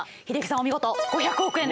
お見事５００億円です。